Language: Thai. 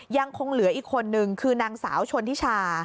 ยังคงเหลืออีกคนนึงคือนางสาวชนทิชา